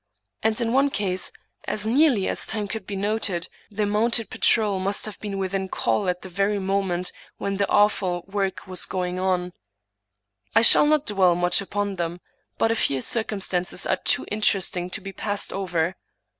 And in one case, as nearly as time could be noted, the mounted patrol must have been within call at the very mo ment when the awful work was going on. I shall not dwell much upon them ; but a few circumstances are too interest ing to be passed over.